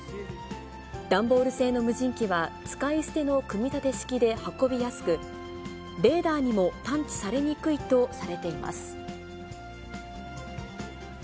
段ボール製の無人機は使い捨ての組み立て式で運びやすく、レーダーにも探知されにくいとされています。